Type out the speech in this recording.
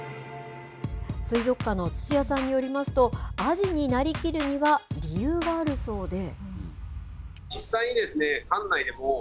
水族館の土屋さんによりますと、アジになりきるには理由があるそうで。